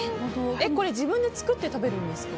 自分で作って食べるんですか？